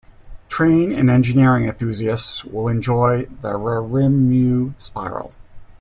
Train and engineering enthusiasts will enjoy the Raurimu Spiral.